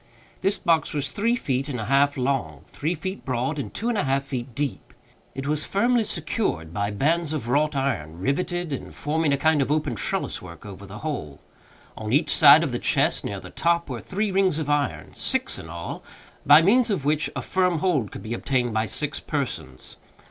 This box was three feet and a half long, three feet broad, and two and a half feet deep. It was firmly secured by bands of wrought iron, riveted, and forming a kind of open trelliswork over the whole. On each side of the chest, near the top, were three rings of iron—six in all—by means of which a firm hold could be obtained by six persons.